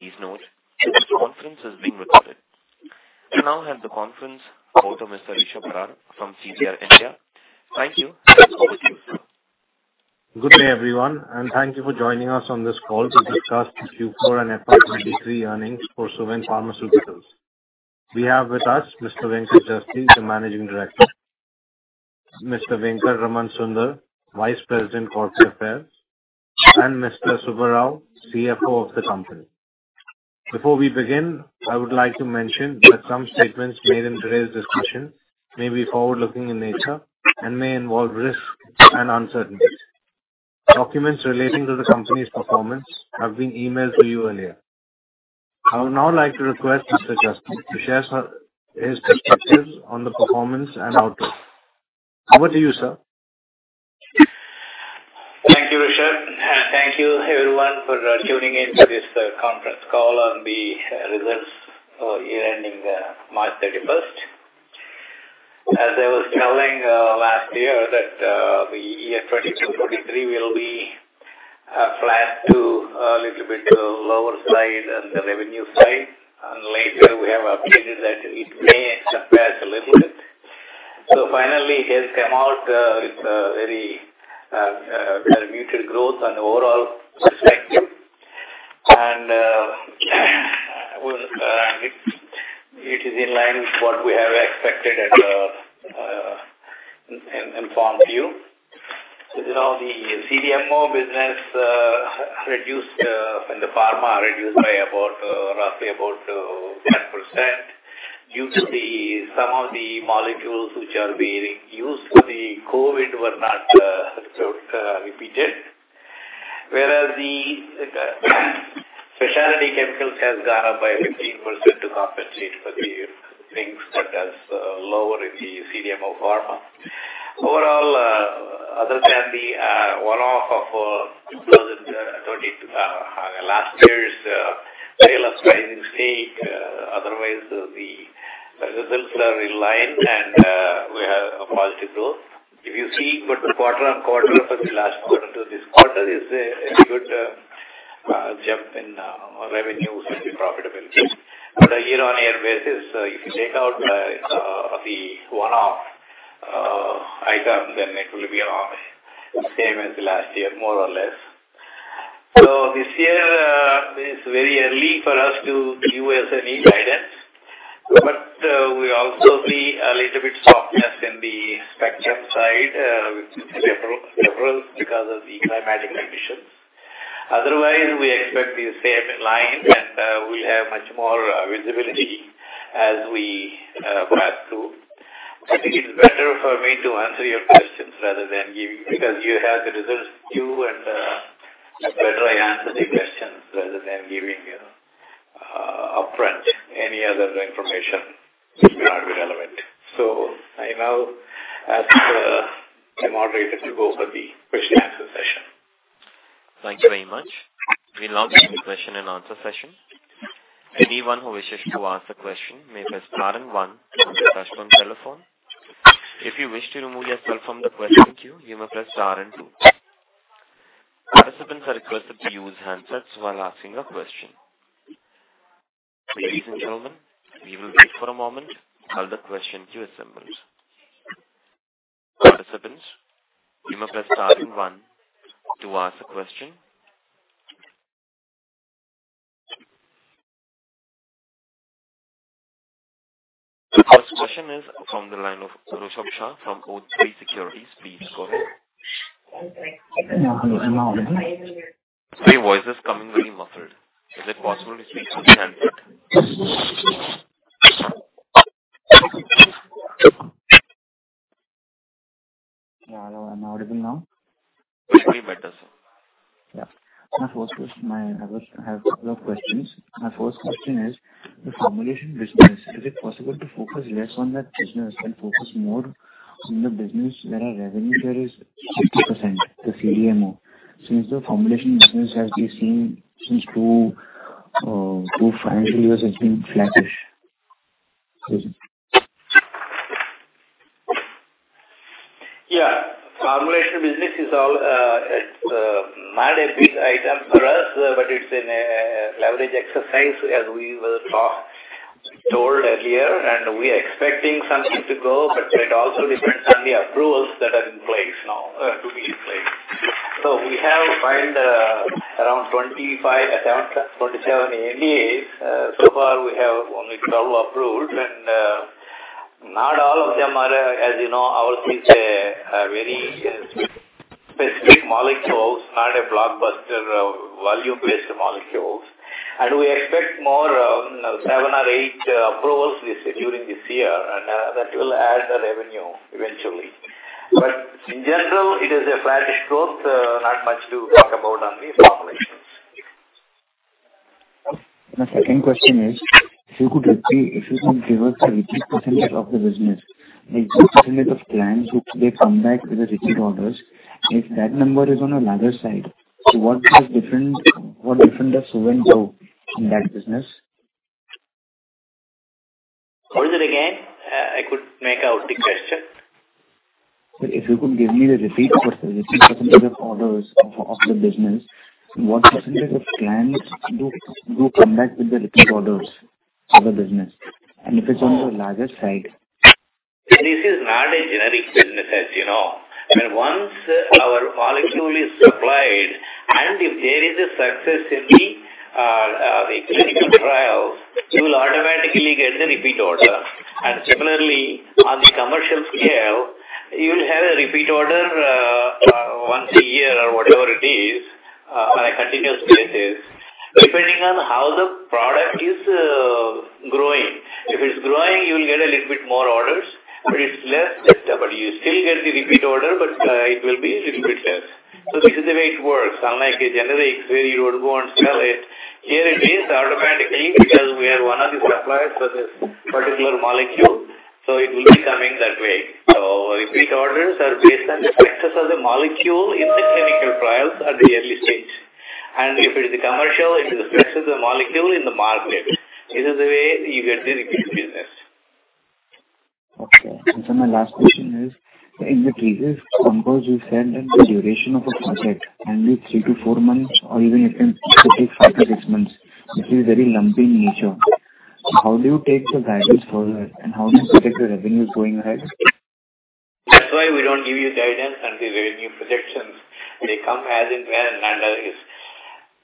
Please note, this conference is being recorded. We now have the conference call to Mr. Rishab Barar from CDR India. Thank you. Over to you. Good day, everyone, and thank you for joining us on this call to discuss Q4 and FY 2023 earnings for Suven Pharmaceuticals. We have with us Mr. Venkat Jasti, the Managing Director; Mr. Venkatraman Sunder, Vice President, Corporate Affairs; and Mr. Subba Rao Parupalli, CFO of the company. Before we begin, I would like to mention that some statements made in today's discussion may be forward-looking in nature and may involve risks and uncertainties. Documents relating to the company's performance have been emailed to you earlier. I would now like to request Mr. Jasti to share his perspectives on the performance and outlook. Over to you, sir. Thank you, Rishab, and thank you everyone for tuning in to this conference call on the results for year ending March 31st. As I was telling last year that the year 2022, 2023 will be flat to a little bit lower side on the revenue side, and later we have updated that it may compare a little bit. Finally, it has come out with a very muted growth on the overall perspective. It is in line with what we have expected and informed you. You know, the CDMO business in the pharma reduced by about roughly about 10% due to some of the molecules which are being used for the COVID were not repeated. Whereas the specialty chemicals has gone up by 15% to compensate for the things that has lowered the CDMO pharma. Overall, other than the one-off of 2020, last year's very surprising stake, otherwise, the results are in line, and we have a positive growth. If you see quarter-on-quarter from the last quarter to this quarter is a good jump in revenue and the profitability. On a year-on-year basis, if you take out the one-off item, then it will be same as last year, more or less. This year is very early for us to give us any guidance, but we also see a little bit softness in the spectrum side with several because of the climatic conditions. Otherwise, we expect to be same in line, and we'll have much more visibility as we go through. I think it's better for me to answer your questions rather than giving, because you have the results due, and it's better I answer the questions rather than giving you upfront any other information which may not be relevant. I now ask the moderator to go for the question answer session. Thank you very much. We now go to the question and answer session. Anyone who wishes to ask a question may press star and one on your telephone. If you wish to remove yourself from the question queue, you may press star and two. Participants are requested to use handsets while asking a question. Ladies and gentlemen, we will wait for a moment while the question queue assembles. Participants, you may press star and one to ask a question. The first question is from the line of Rishabh Shah from Oaktree Capital Management. Please go ahead. Your voice is coming very muffled. Is it possible to speak to the handset? Yeah. I'm audible now? Much better, sir. Yeah. My first question. I have couple of questions. My first question is, the formulation business, is it possible to focus less on that business and focus more in the business where our revenue there is 60%, the CDMO? Since the formulation business has been seen since 2 financial years, it's been flattish. Yeah. Formulation business is all not a big item for us, but it's in a leverage exercise, as we were told earlier, and we are expecting something to go, but it also depends on the approvals that are in place now, to be in place. We have filed around 25, 27 ANDAs. So far we have only 12 approved, and not all of them are, as you know, ours is a very specific molecules, not a blockbuster, volume-based molecules. We expect more 7 or 8 approvals this during this year, and that will add the revenue eventually. In general, it is a flattish growth, not much to talk about on the formulations. My second question is, if you could let's see if you can give us the repeat % of the business, like the % of clients, which they come back with the repeat orders. If that number is on a larger side, what different does Suven do in that business? What is it again? I could make out the question. Sir, if you could give me the repeat percentage of orders of the business, what % of clients do come back with the repeat orders of the business, and if it's on the larger side? This is not a generic business, as you know. I mean, once our molecule is supplied, and if there is a success in the clinical trials, you will automatically get the repeat order. Similarly, on the commercial scale, you will have a repeat order once a year or whatever it is, on a continuous basis, depending on how the product is growing. If it's growing, you'll get a little bit more orders, but it's less, but you still get the repeat order, but it will be a little bit less. This is the way it works, unlike a generic where you would go and sell it. Here it is automatically because we are one of the suppliers for this particular molecule, so it will be coming that way. Repeat orders are based on the success of the molecule in the clinical trials at the early stage. If it's the commercial, it's the success of the molecule in the market. This is the way you get the repeat business. Okay. My last question is, in the cases composed, you said that the duration of a project can be 3 to 4 months or even it can take 5 to 6 months. It is very lumpy in nature. How do you take the guidance further, and how do you protect the revenue going ahead? That's why we don't give you guidance on the revenue projections. They come as and when.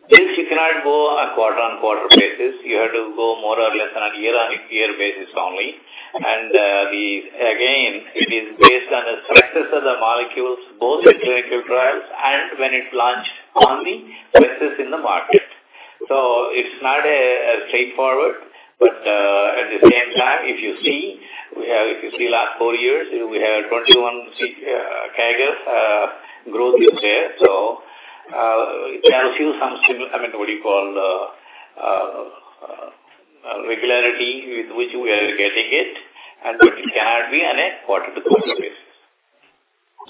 This you cannot go on a quarter-on-quarter basis. You have to go more or less on a year-on-year basis only. Again, it is based on the success of the molecules, both the clinical trials and when it's launched on the success in the market. It's not a straightforward, but at the same time, if you see, we have, if you see last four years, we have 21 C CAGR growth is there. There are a few some similar, I mean, what do you call, regularity with which we are getting it, and it cannot be on a quarter-to-quarter basis.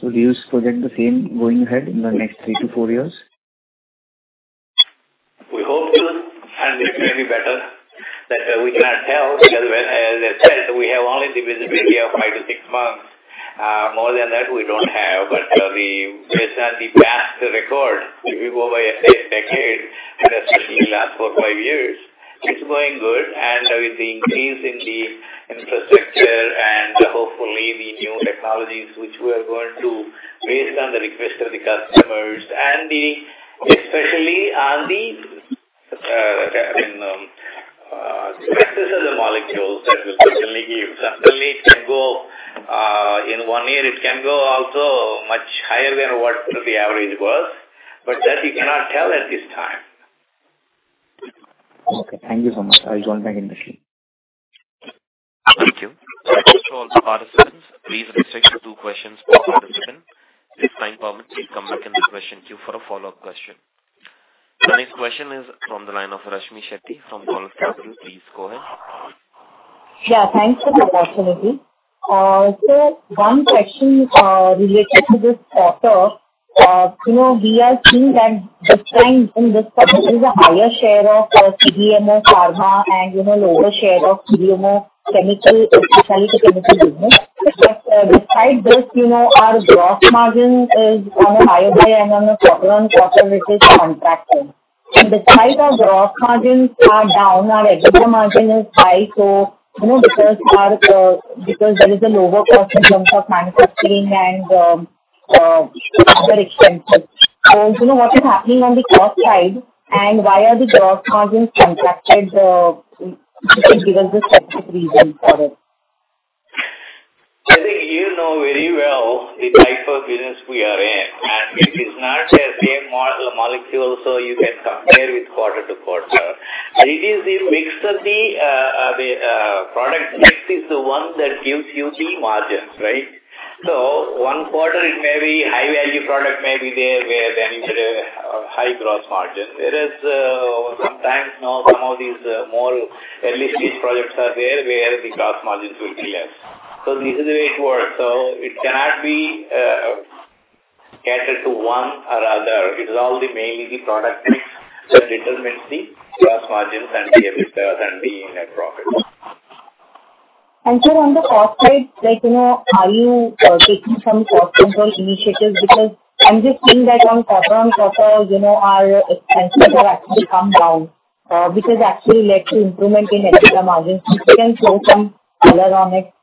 Do you project the same going ahead in the next three to four years? We hope to, and it may be better, but we cannot tell because, as I said, we have only the visibility of 5 to 6 months. More than that, we don't have. We, based on the past record, if you go by a decade, and especially last 4, 5 years, it's going good. With the increase in the infrastructure and hopefully the new technologies which we are going to based on the request of the customers and the, especially on the, I mean, success of the molecules, that will certainly give. Suddenly it can go, in 1 year, it can go also much higher than what the average was, but that you cannot tell at this time. Okay, thank you so much. I'll join back in the queue. Thank you. For all the participants, please restrict to two questions per participant. If time permits, please come back in the question queue for a follow-up question. The next question is from the line of Rashmi Shetty from Dolat Capital. Please go ahead. Yeah, thanks for the opportunity. 1 question related to this quarter. You know, we are seeing that the trend in this quarter is a higher share of CDMO pharma and, you know, lower share of CDMO chemical, solid chemistry business. Besides this, you know, our gross margin is on a higher way and on a quarter-over-quarter, which is contracted. Besides our gross margins are down, our EBITDA margin is high, you know, because there is a lower cost in terms of manufacturing and other expenses. You know, what is happening on the cost side, and why are the gross margins contracted? If you could give us the specific reason for it. I think you know very well the type of business we are in. It is not a same molecule, so you can compare with quarter to quarter. It is the mix of the product mix is the one that gives you the margins, right? One quarter, it may be high-value product may be there, where then you get a high gross margin. Sometimes, you know, some of these more early-stage projects are there, where the gross margins will be less. This is the way it works. It cannot be catered to one or other. It is all the mainly the product mix that determines the gross margins and the EBITDA and the net profit. Sir, on the cost side, like, you know, are you taking some cost control initiatives? I'm just seeing that on quarter-on-quarter, you know, our expenses have actually come down, which has actually led to improvement in EBITDA margins. If you can share some color on it.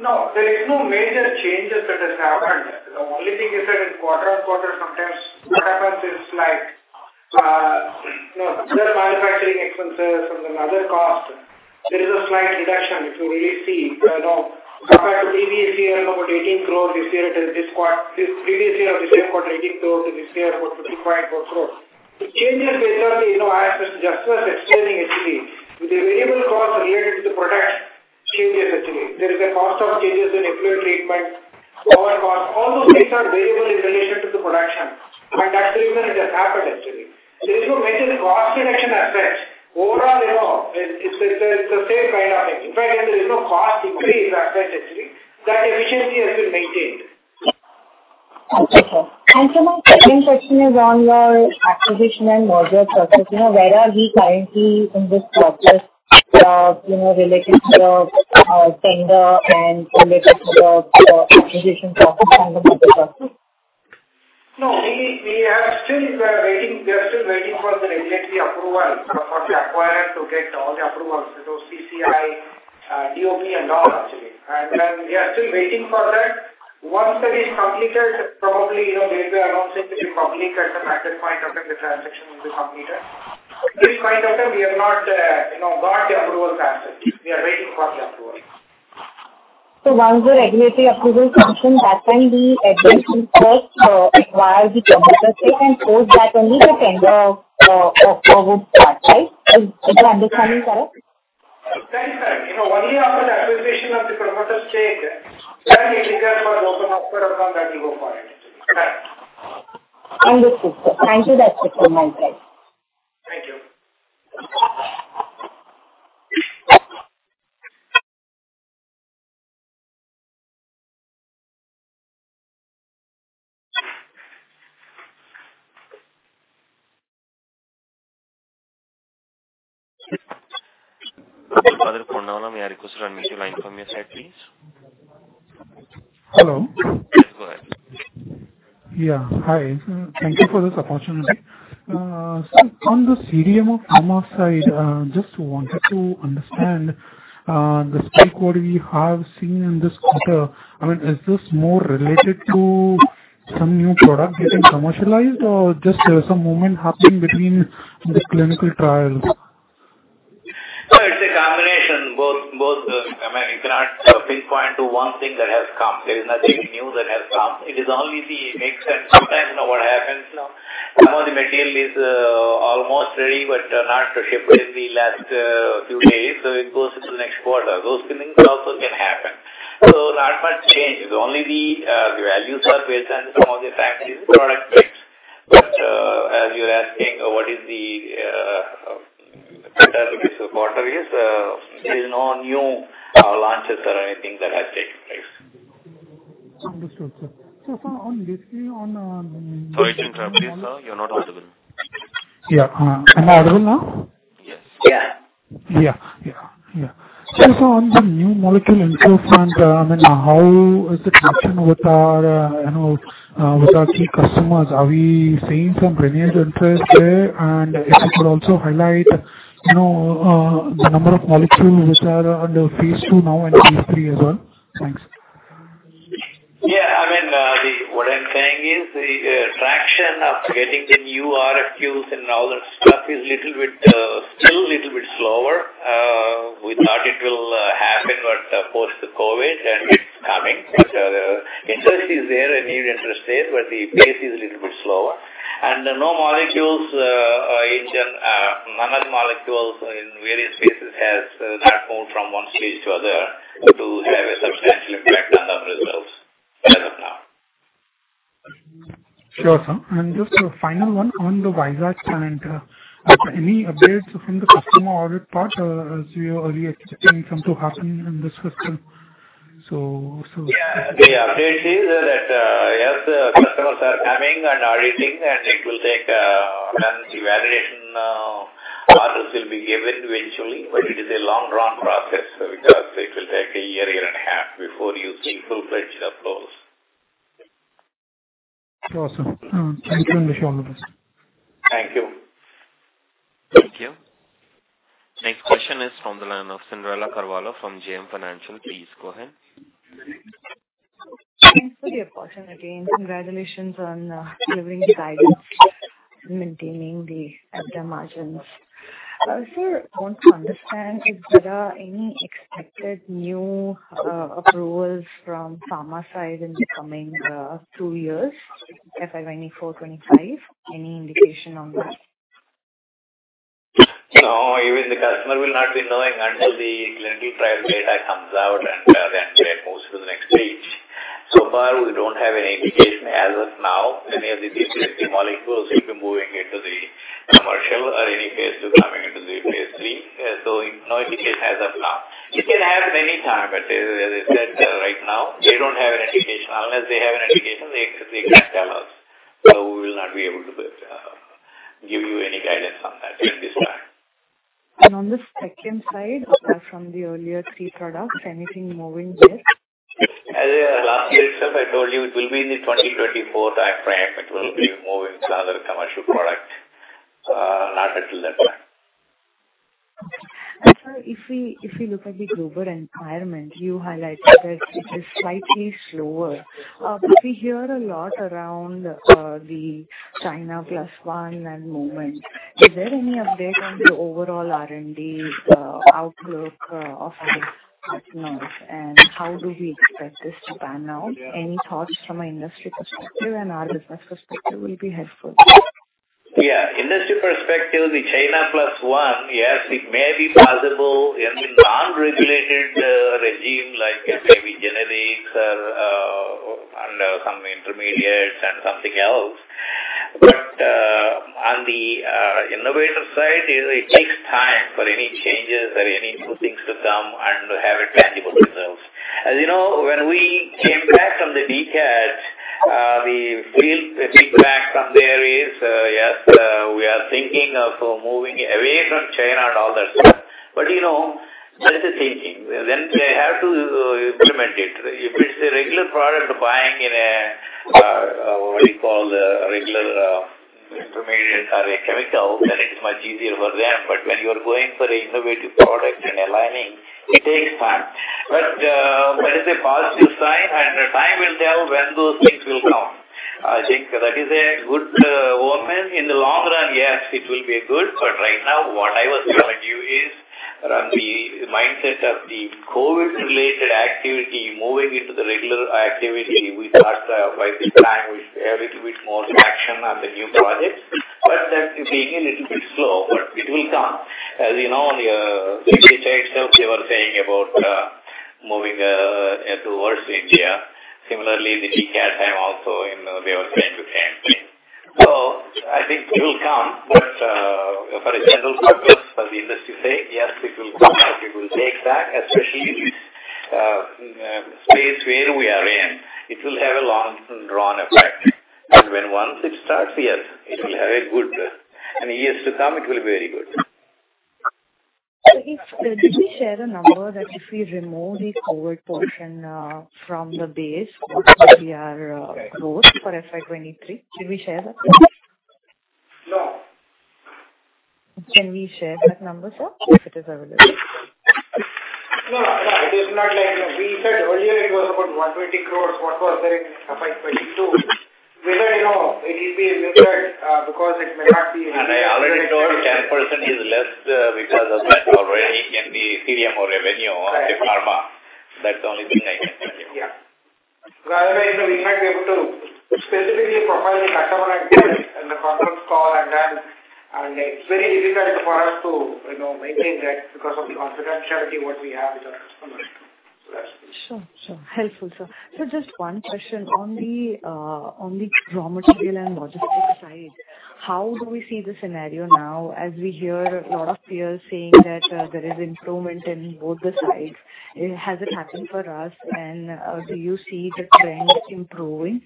No, there is no major changes that has happened. The only thing is that in quarter-on-quarter, sometimes what happens is like, you know, there are manufacturing expenses and then other costs. There is a slight reduction, if you really see, you know, compared to previous year, about 18 crores. This previous year, about 18 crores, and this year, about 13.4 crores. The changes based on the, you know, as just as explaining actually, with the variable costs related to the product changes actually. There is a cost of changes in effluent treatment, overheads. All those things are variable in relation to the production, and that's the reason it has happened actually. There is no major cost reduction as such. Overall, you know, it's the, it's the same kind of... In fact, there is no cost increase as such, actually. That efficiency has been maintained. Okay, sir. My second question is on your acquisition and merger process. You know, where are we currently in this process of, you know, related to tender and related to the acquisition process and the merger process? No, we are still waiting. We are still waiting for the regulatory approval for the acquirer to get all the approvals. CCI, DOP, and all, actually, we are still waiting for that. Once that is completed, probably, you know, there's the announcement to the public at some point of time, the transaction will be completed. At this point of time, we have not, you know, got the approval as such. We are waiting for the approval. Once the regulatory approval comes in, that time we advance with first, while the promoter stake, and post that only the tender of offer would start, right? Is my understanding correct? That is correct. You know, only after the acquisition of the promoter stake, then it requires for open offer, and from that we go forward. Correct. Understood, sir. Thank you. That's it from my side. Thank you. For the phone line, may I request you to unmute your line from your side, please? Hello. Go ahead. Yeah. Hi. Thank you for this opportunity. On the CDM of pharma side, just wanted to understand the spike what we have seen in this quarter. I mean, is this more related to some new product getting commercialized or just some movement happening between the clinical trials? It's a combination, both. I mean, you cannot pinpoint to one thing that has come. There is nothing new that has come. It is only the mix, and sometimes, you know, what happens, you know, some of the material is almost ready but not shipped in the last two days, so it goes to the next quarter. Those things also can happen. Not much change. It's only the values are based on some of the factors, product mix. As you're asking, what is the quarter is, there is no new launches or anything that has taken place. Understood, sir. sir, on this, on. Sorry, Chinkaraj, sir, you're not audible. Yeah. Am I audible now? Yes. Yeah. Yeah, yeah. Sir, on the new molecule improvement, I mean, how is the connection with our, you know, with our key customers? Are we seeing some renewed interest there? If you could also highlight, you know, the number of molecules which are under phase two now and phase three as well. Thanks. Yeah, I mean, what I'm saying is the traction of getting the new RFQs and all that stuff is little bit, still little bit slower. We thought it will happen but post-COVID, and it's coming. Interest is there, a new interest is, but the pace is little bit slower. No molecules, each and, none of the molecules in various phases has not moved from one stage to other to have a substantial impact on the results as of now. Sure, sir. Just a final one on the Vizag plant. Any updates from the customer audit part, as you are expecting some to happen in this quarter? The update is that, yes, the customers are coming and auditing. It will take, then the evaluation, orders will be given eventually. It is a long-run process, because it will take a year and a half before you see full-fledged approvals. Sure, sir. thank you, and wish you all the best. Thank you. Thank you. Next question is from the line of Cyndrella Carvalho from JM Financial. Please go ahead. Thanks for the opportunity, and congratulations on delivering the guidance and maintaining the EBITDA margins. I also want to understand if there are any expected new approvals from pharma side in the coming 2 years, FY 2024, 2025. Any indication on that? No, even the customer will not be knowing until the clinical trial data comes out and then they move to the next stage. So far, we don't have any indication. As of now, any of the molecules will be moving into the commercial or any phase 2 coming into the phase 3. No indication as of now. It can happen anytime, as is right now, they don't have an indication. Unless they have an indication, they can't tell us. We will not be able to give you any guidance on that at this time. On the second side, apart from the earlier three products, anything moving there? As last itself, I told you it will be in the 2024 time frame. It will be moving to other commercial product, not until that time. Sir, if we look at the global environment, you highlighted that it is slightly slower. We hear a lot around the China Plus One movement. Is there any update on the overall R&D outlook of the partners, and how do we expect this to pan out? Any thoughts from an industry perspective and our business perspective will be helpful. Yeah, industry perspective, the China Plus One, yes, it may be possible in the non-regulated regime, like it may be generics or, under some intermediates and something else. On the innovator side, it takes time for any changes or any new things to come and have it tangible results. As you know, when we came back from the DCAT, the feedback from there is, yes, we are thinking of moving away from China and all that stuff. You know, that is the thinking. They have to, implement it. If it's a regular product buying in a, what do you call, the regular, intermediate or a chemical, then it's much easier for them. When you are going for an innovative product and aligning, it takes time. That is a positive sign, and time will tell when those things will come. I think that is a good omen. In the long run, yes, it will be good, right now, what I was telling you is from the mindset of the COVID-related activity moving into the regular activity, we thought by this time we see a little bit more action on the new projects, but that is being a little bit slow, but it will come. As you know, they were saying about moving towards India. Similarly, the DCAT time also in, they were trying to come. I think it will come, for a general purpose, for the industry sake, yes, it will come. It will take back, especially this phase where we are in, it will have a long drawn effect. When once it starts, yes, it will have a good. In years to come, it will be very good. If, did we share the number that if we remove the forward portion, from the base, what will be our, growth for FY 2023? Did we share that? No. Can we share that number, sir, if it is available? No, no, it is not like that. We said earlier it was about 120 crores, what was there in FY 2022. Whether, you know, it will be removed, because it may not be. I already told you 10% is less, because of that already in the CDMO revenue of the pharma. That's the only thing I can tell you. Yeah. Otherwise, we might be able to specifically provide the customer in the conference call, and then it's very difficult for us to, you know, maintain that because of the confidentiality what we have with our customers. Sure. Sure. Helpful, sir. Just one question on the raw material and logistics side, how do we see the scenario now as we hear a lot of peers saying that there is improvement in both the sides? Has it happened for us, and do you see the trends improving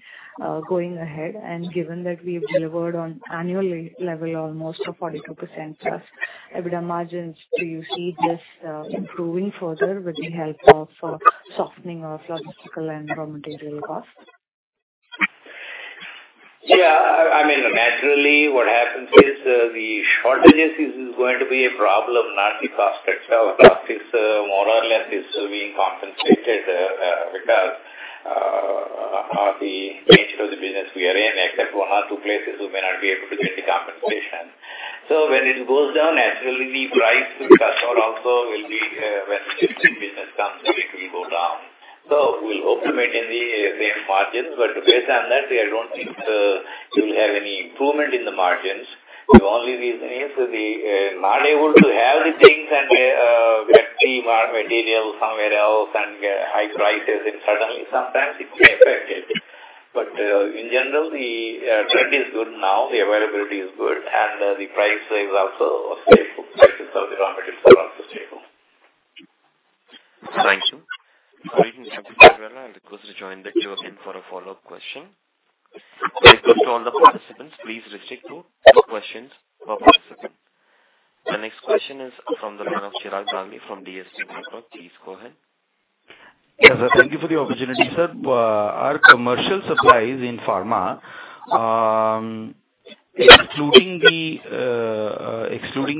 going ahead? Given that we've delivered on annual level almost a 42% plus EBITDA margins, do you see this improving further with the help of softening of logistical and raw material costs? Yeah, I mean, naturally, what happens is the shortages is going to be a problem, not the cost itself. Cost is more or less being compensated because the nature of the business we are in, except one or two places, we may not be able to get the compensation. When it goes down, naturally, the price will touch or also will be when the business comes, it will go down. We'll hope to maintain the same margins, but based on that, I don't think we'll have any improvement in the margins. The only reason is the not able to have the things and get the raw material somewhere else and high prices, and suddenly sometimes it may affect it. In general, the trend is good now, the availability is good, and the price is also stable. Prices of the raw materials are also stable. Thank you. I request to join the queue again for a follow-up question. As per all the participants, please restrict to two questions per participant. The next question is from the line of Chirag Dagli from DSP Mutual Fund. Please go ahead. Yes, sir, thank you for the opportunity. Sir, our commercial supplies in pharma, excluding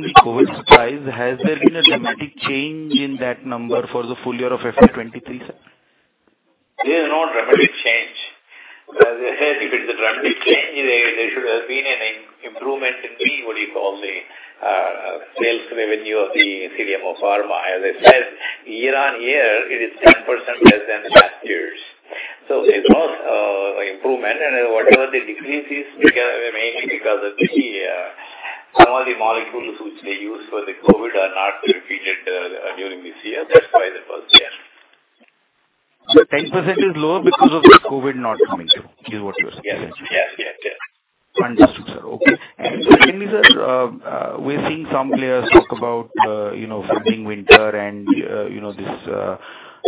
the COVID supplies, has there been a dramatic change in that number for the full year of FY 2023, sir? There is no dramatic change. As I said, if it's a dramatic change, there should have been an improvement in the, what do you call, the sales revenue of the CDMO Pharma. As I said, year-on-year, it is 10% less than last year's. It was improvement, and whatever the decrease is, mainly because of some of the molecules which they use for the COVID are not repeated during this year. That's why that was there. 10% is lower because of the COVID not coming through, is what you're saying? Yes. Yes. Understood, sir. Okay. Secondly, sir, we're seeing some players talk about, you know, funding winter and, you know, this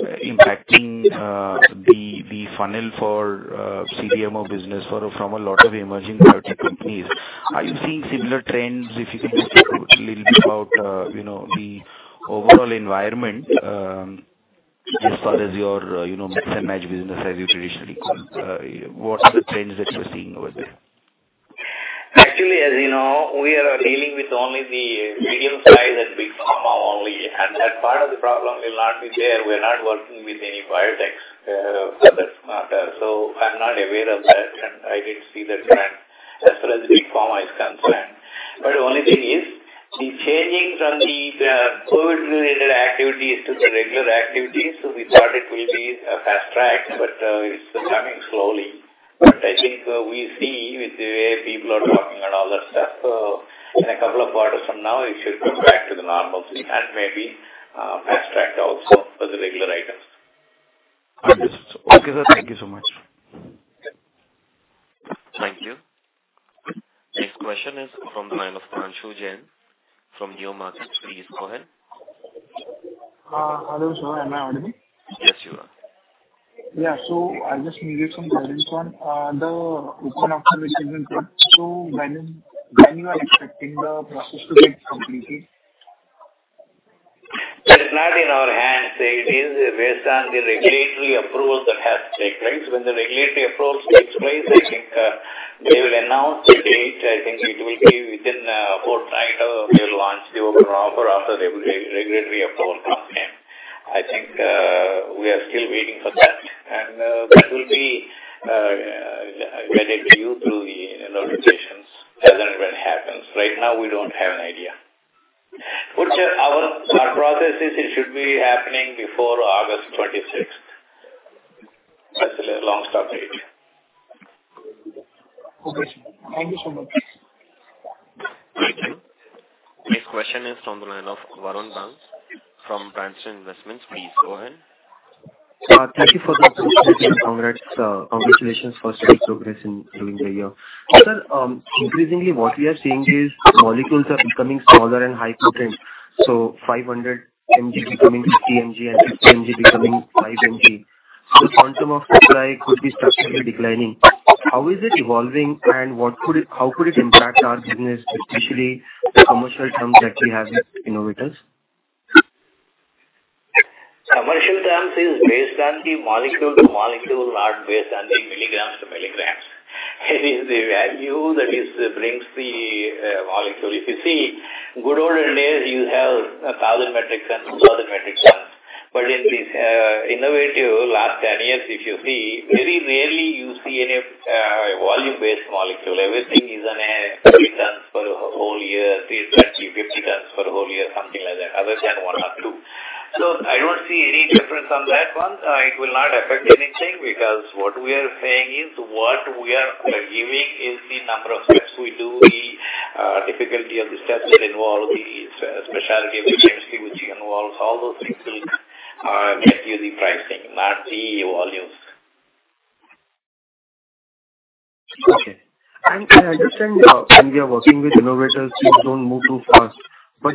impacting the funnel for CDMO business for a lot of emerging therapy companies. Are you seeing similar trends? If you can just talk a little bit about, you know, the overall environment as far as your, you know, match business, as you traditionally call, what's the trends that you're seeing over there? Actually, as you know, we are dealing with only the medium-size and big pharma only. That part of the problem will not be there. We are not working with any biotechs for that matter, so I'm not aware of that, and I didn't see that trend as far as big pharma is concerned. The only thing is the changing from the COVID-related activities to the regular activities. We thought it will be a fast track, but it's coming slowly. I think we see with the way people are talking and all that stuff, in a couple of quarters from now, it should go back to the normalcy and maybe fast track also for the regular items. Okay, sir, thank you so much. Thank you. Next question is from the line of Anshul Jain from Neo Markets. Please go ahead. Hello, sir. Am I audible? Yes, you are. Yeah. I'll just need some guidance on the open offer which has been put. When you are expecting the process to get completed? That is not in our hands. It is based on the regulatory approval that has to take place. When the regulatory approval takes place, I think, they will announce the date. I think it will be within a fortnight of, we'll launch the open offer after the regulatory approval comes in. I think, we are still waiting for that. That will be getting to you through the notifications as and when it happens. Right now, we don't have an idea. Which, our process is it should be happening before August 26th. That's a long stop date. Okay. Thank you so much. Thank you. Next question is from the line of Varun Bank from Financial Investments. Please go ahead. Thank you for the congrats, congratulations for steady progress during the year. Sir, increasingly, what we are seeing is molecules are becoming smaller and high potent, so 500 mg becoming 50 mg and 50 mg becoming 5 mg. Quantum of supply could be structurally declining. How is it evolving and how could it impact our business, especially the commercial terms that we have with innovators? Commercial terms is based on the molecule to molecule, not based on the milligrams to milligrams. It is the value that is brings the molecule. If you see, good old days, you have 1,000 metrics and 1,000 metrics. In this innovative last 10 years, if you see, very rarely you see any volume-based molecule. Everything is on a tons for a whole year, actually 50 tons for a whole year, something like that, other than 1 or 2. I don't see any difference on that one. It will not affect anything, because what we are saying is, what we are giving is the number of steps we do, the difficulty of the steps that involve the specialty of the chemistry which involves all those things, get you the pricing, not the volumes. Okay. I understand, when we are working with innovators, things don't move too fast.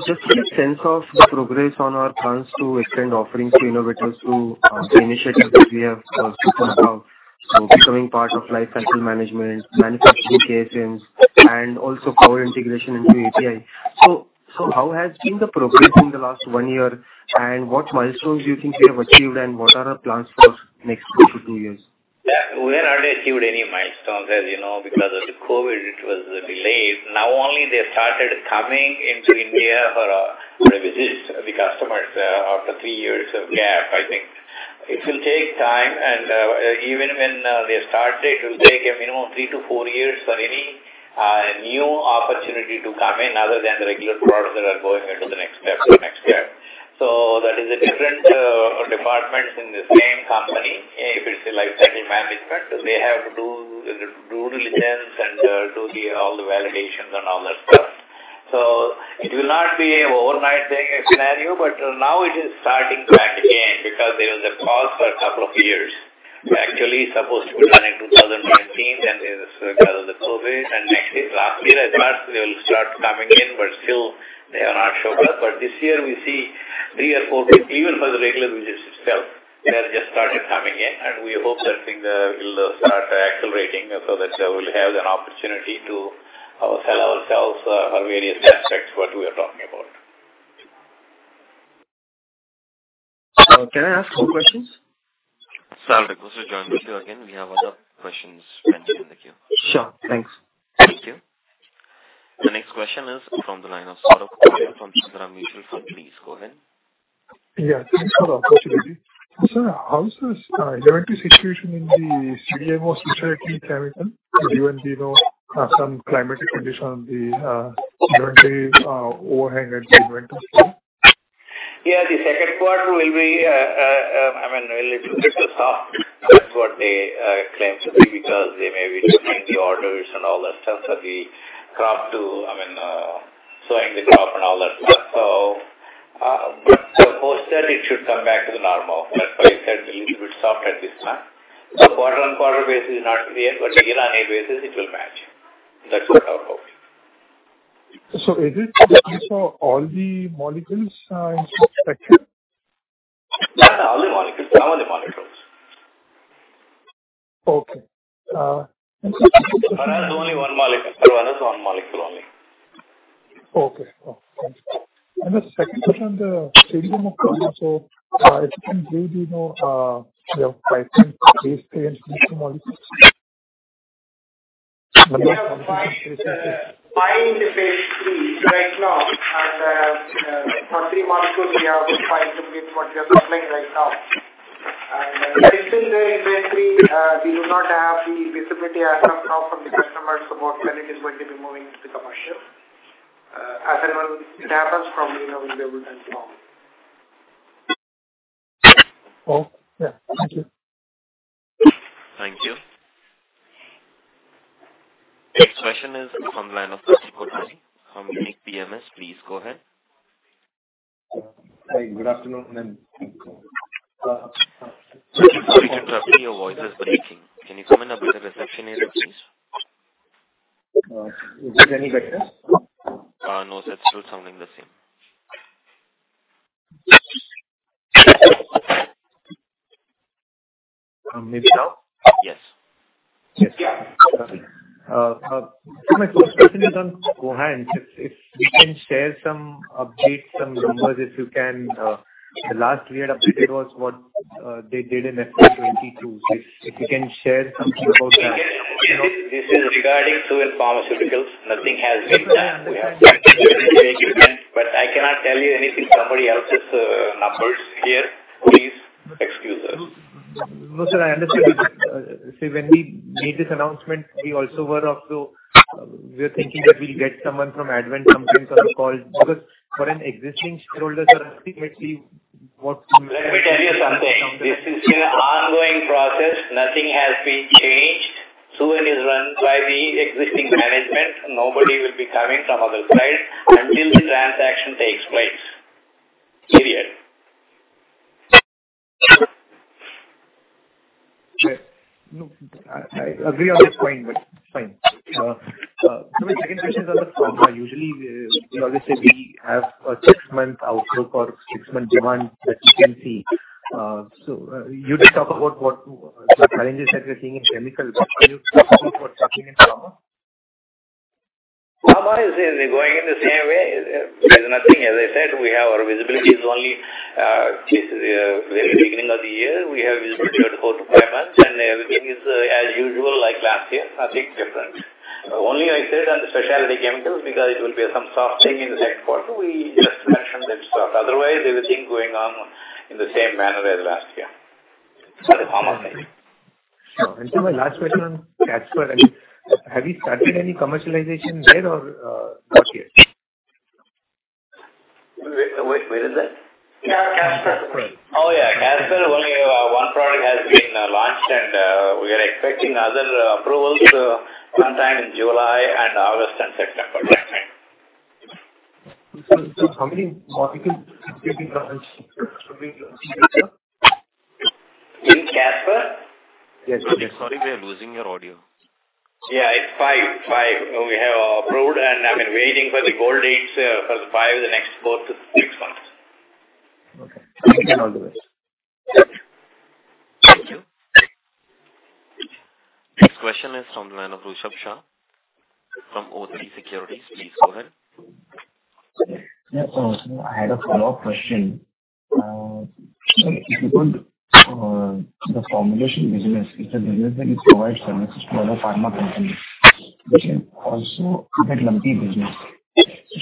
Just get a sense of the progress on our plans to extend offerings to innovators through the initiatives that we have spoken about, so becoming part of life cycle management, manufacturing locations, and also power integration into API. How has been the progress in the last 1 year, and what milestones do you think we have achieved, and what are our plans for next 1-2 years? Yeah, we have not achieved any milestones, as you know, because of the COVID, it was delayed. Now, only they started coming into India for a visit, the customers, after 3 years of gap, I think. It will take time and even when they start, it will take a minimum of 3-4 years for any new opportunity to come in, other than the regular products that are going into the next step. That is the different departments in the same company. If it's a life cycle management, they have to do diligence and do all the validations and all that stuff. It will not be an overnight thing, scenario, but now it is starting back again because there was a pause for 2 years. We actually supposed to be done in 2019, then there was the COVID, and next year, last year, at last, they will start coming in, but still they are not showed up. This year we see three or four, even for the regular business itself, they have just started coming in and we hope that things will start accelerating so that we'll have an opportunity to sell ourselves for various aspects, what we are talking about. Can I ask two questions? Sorry to join with you again. We have other questions mentioned in the queue. Sure. Thanks. Thank you. The next question is from the line of Saurav from Sundaram Mutual Fund. Please go ahead. Yeah, thanks for the opportunity. Sir, how is this inventory situation in the CDMO security chemical? Given the some climatic condition, the inventory overhang at the inventory? The second part will be, I mean, a little bit soft. That's what they claim to be, because they may be looking the orders and all that stuff. I mean, sowing the crop and all that stuff. Post that, it should come back to the normal. That's why I said a little bit soft at this time. Quarter-on-quarter basis is not clear. Year-on-year basis it will match. That's what our hope. Is it the case for all the molecules, in section? Not all the molecules, some of the molecules. Okay. For us, only one molecule. For us, one molecule only. Okay. thank you. The second question, the change of volume. If you can give, you know, you have five, three molecules? We have 5 interface 3 right now. For 3 molecules, we have 5 interface what we are supplying right now. Within the inventory, we do not have the visibility as of now from the customers about when it is going to be moving into the commercial. As and when it happens, probably we will be able to inform. Oh, yeah. Thank you. Thank you. Is from line of Unique PMS. Please go ahead. Hi, good afternoon, ma'am. Sorry, can you trust me? Your voice is breaking. Can you come in a better reception area, please? Is it any better? No, sir. It's still sounding the same. maybe now? Yes. Yes. My first question is on Cohance. If, if we can share some updates, some numbers, if you can. The last we had updated was what they did in FY 2022. If, if you can share something about that. This is regarding Suven Pharmaceuticals. Nothing has been done. We have, but I cannot tell you anything, somebody else's numbers here. Please excuse us. No, sir, I understand. See, when we made this announcement, we were thinking that we'll get someone from Advent come in for the call, because for an existing shareholder, sir, ultimately. Let me tell you something. This is an ongoing process. Nothing has been changed. Suven is run by the existing management. Nobody will be coming from other side until the transaction takes place. Period. Okay. No, I agree on this point, but fine. My second question is on the pharma. Usually, you know, obviously, we have a six-month outlook or six-month demand that you can see. You just talk about what the challenges that you're seeing in chemical, are you talking in pharma? Pharma is going in the same way. There's nothing, as I said, we have our visibility is only very beginning of the year. We have visibility of 4 to 5 months, everything is as usual, like last year, nothing different. Only I said on the specialty chemicals, because it will be some softening in the Q2, we just mentioned it. Otherwise, everything going on in the same manner as last year. For the pharma. My last question on Casper. I mean, have you started any commercialization there or not yet? Where is that? Yeah, Casper. Oh, yeah. Casper, only 1 product has been launched. We are expecting other approvals sometime in July and August and September. That time. How many molecules being launched? In Casper? Yes. Sorry, we are losing your audio. Yeah, it's five. Five we have approved. I've been waiting for the goal dates, for the five, the next 4 months-6 months. Okay. All the best. Thank you. Next question is from the line of Rishabh Shah, from OT Securities. Please go ahead. Yeah. I had a follow-up question. If you could, the formulation business, it's a business that you provide services to other pharma companies, which is also a bit lumpy business.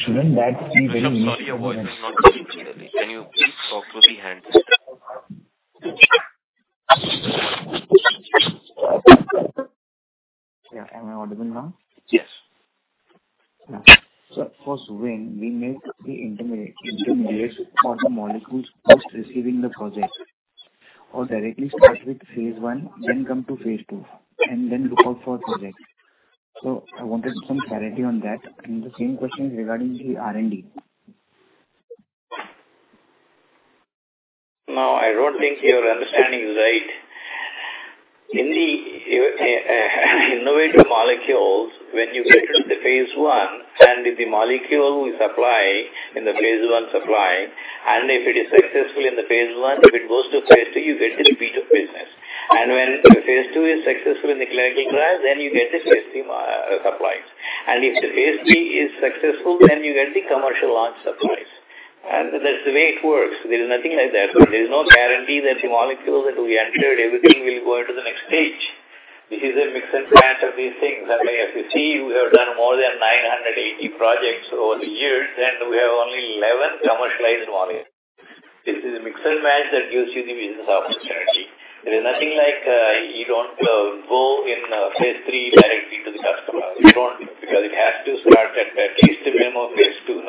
Shouldn't that be very- Sorry, your voice is not coming clearly. Can you please talk through the hand? Yeah. Am I audible now? Yes. Of course, when we make the intermediates for the molecules, first receiving the project or directly start with phase 1, then come to phase 2, and then look out for projects. I wanted some clarity on that, and the same question regarding the R&D. No, I don't think your understanding is right. In the innovative molecules, when you get to the phase one, if the molecule is applied in the phase one supply, if it is successful in the phase one, if it goes to phase two, you get the repeat of business. When phase two is successful in the clinical trial, you get the phase three supplies. If the phase three is successful, you get the commercial launch supplies. That's the way it works. There is nothing like that. There is no guarantee that the molecules that we entered, everything will go into the next stage. This is a mix and match of these things. I mean, if you see, we have done more than 980 projects over the years, we have only 11 commercialized molecules. This is a mix and match that gives you the business opportunity. There is nothing like, you don't go in phase 3 directly to the customer. You don't, because it has to start at least a minimum of phase 2. They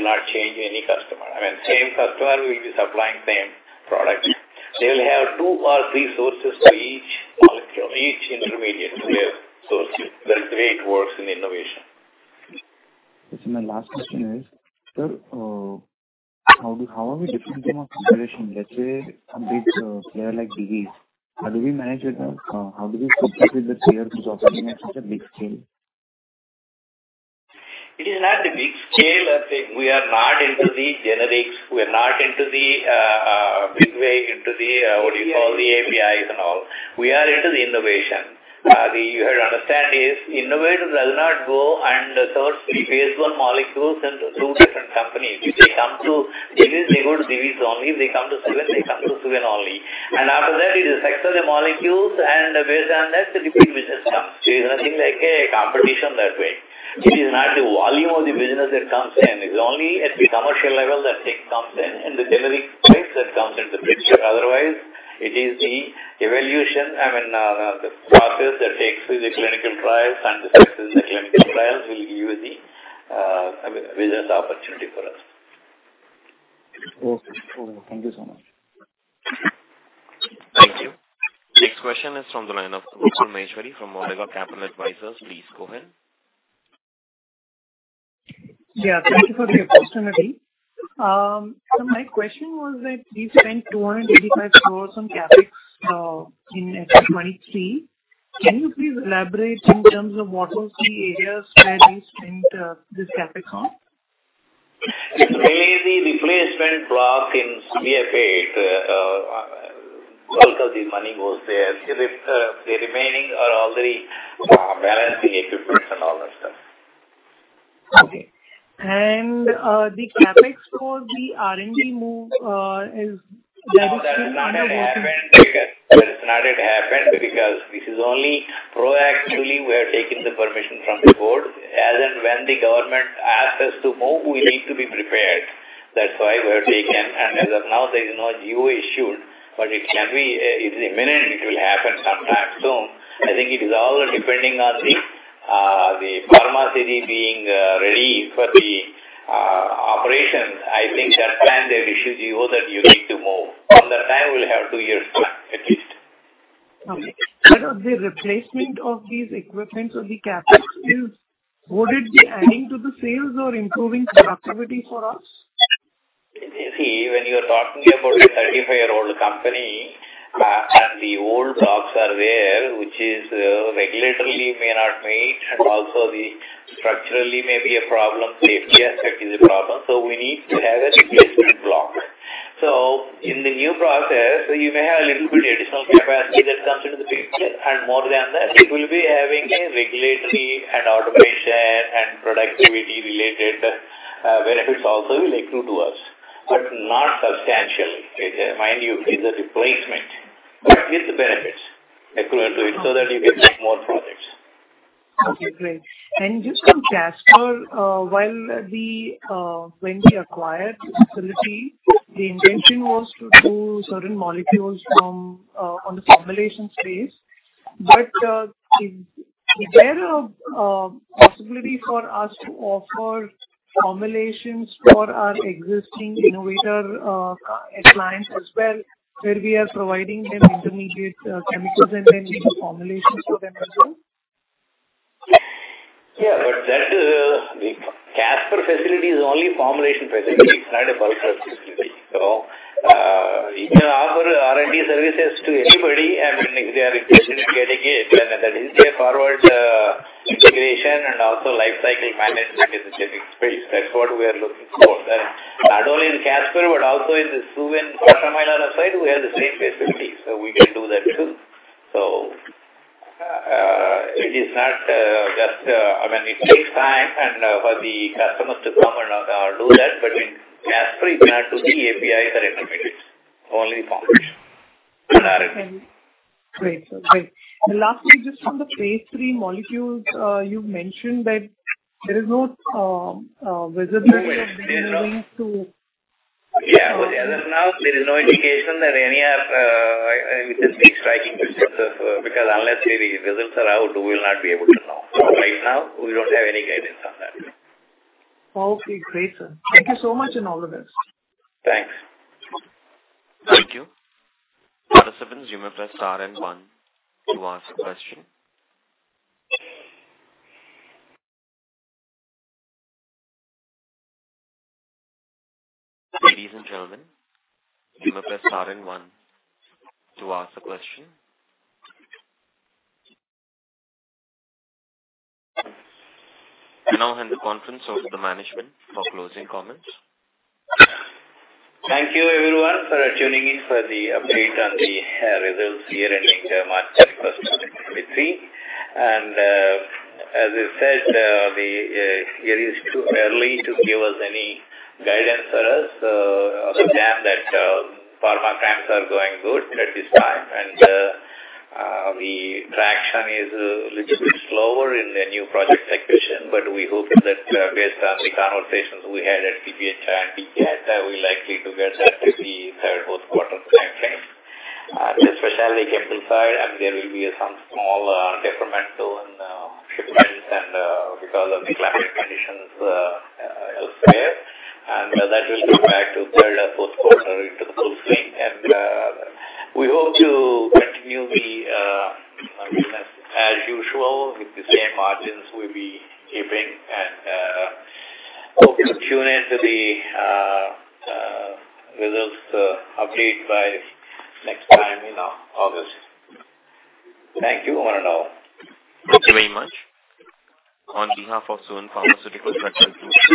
will not change any customer. I mean, same customer will be supplying same product. They will have two or three sources to each molecule, each intermediate. We have sources. That's the way it works in innovation. My last question is, sir, how are we different from a configuration, let's say, a big player like Divi's? How do we manage with them? How do we compete with the player who's operating at such a big scale? It is not the big scale. We are not into the generics. We are not into the big way into the what do you call, the APIs and all. We are into the innovation. You have to understand is, innovators will not go and source phase I molecules from two different companies. If they come to Divi's, they go to Divi's only. If they come to Suven, they come to Suven only. After that, it is success of the molecules, and based on that, the repeat business comes. There's nothing like a competition that way. It is not the volume of the business that comes in. It's only at the commercial level that it comes in, and the generic price that comes into picture. Otherwise, it is the evaluation, I mean, the process that takes with the clinical trials. The success in the clinical trials will give you the, I mean, business opportunity for us. Okay. Thank you so much. Thank you. Next question is from the line of Maheshwari from Omega Capital Advisors. Please go ahead. Yeah, thank you for the opportunity. My question was that you spent 285 crores on CapEx, in FY 2023. Can you please elaborate in terms of what are the areas where you spent, this CapEx on? It's mainly the replacement block in CFAs. bulk of the money goes there. The remaining are all the balancing equipments and all that stuff. Okay. The CapEx for the R&D move. No, that's not yet happened. That's not yet happened, because this is only proactively we are taking the permission from the board. As and when the government asks us to move, we need to be prepared. That's why we've taken. As of now, there is no GO issued, but it can be, it's imminent. It will happen sometime soon. I think it is all depending on the pharma city being, ready for the, operations. I think that time they issue GO that you need to move. From that time, we'll have 2 years plan at least. Okay. Sir, the replacement of these equipments or the CapEx, Would it be adding to the sales or improving productivity for us? You see, when you are talking about a 35-year-old company, and the old blocks are there, which regulatorily may not meet, and also structurally may be a problem, safety aspect is a problem, so we need to have a replacement block. In the new process, you may have a little bit additional capacity that comes into the picture, and more than that, it will be having a regulatory and automation and productivity related benefits also will accrue to us, but not substantially. Mind you, it's a replacement, but with the benefits equivalent to it, so that you can take more projects. Okay, great. Just on Casper, while the, when we acquired the facility, the intention was to do certain molecules from, on the formulation space. Is there a possibility for us to offer formulations for our existing innovator, clients as well, where we are providing them intermediate, chemicals and then making formulations for them as well? But that, the Casper facility is only formulation facility, it's not a bulk facility. You can offer R&D services to anybody, and if they are interested in getting it, and that is a forward, integration and also life cycle management in the same space. That's what we are looking for. Not only the Casper, but also in the Suven side, we have the same facility, so we can do that, too. It is not, just, I mean, it takes time and, for the customers to come and, do that, but in Casper, it's not to the APIs or intermediates, only formulation and R&D. Great. Great. Lastly, just on the phase three molecules, you mentioned that there is no visibility of the willingness. Yeah, as of now, there is no indication that any of we can see striking results of. Unless the results are out, we will not be able to know. Right now, we don't have any guidance on that. Okay, great, sir. Thank you so much, and all the best. Thanks. Thank you. Participants, you may press star and one to ask a question. Ladies and gentlemen, you may press star and one to ask a question. I now hand the conference over to the management for closing comments. Thank you, everyone, for tuning in for the update on the results year ending March 31st, 2023. As I said, it is too early to give us any guidance for us. Other than that, pharma trends are going good at this time. The traction is a little bit slower in the new project execution, but we hope that, based on the conversations we had at PGH and PGA, that we're likely to get that in the 3rd quarter timeframe. The specialty chemical side, there will be some small deferment to shipments because of the climate conditions elsewhere. That will go back to 3rd and 4th quarter into the full swing. We hope to continue the business as usual, with the same margins we'll be keeping. Hope you tune in to the results update by next time in August. Thank you one and all. Thank you very much. On behalf of Suven Pharmaceuticals...